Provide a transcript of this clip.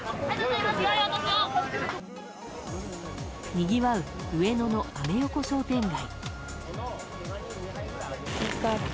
にぎわう上野のアメ横商店街。